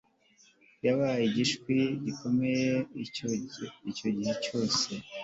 yabaye igishwi gikomeye, icyo gihe cyose